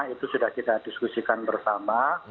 itu sudah kita diskusikan bersama